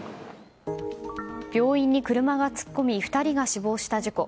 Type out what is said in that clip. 病院に車が突っ込み２人が死亡した事故。